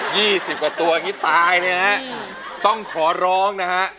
สิบกว่าตัวอย่างงี้ตายเนี่ยนะฮะต้องขอร้องนะฮะ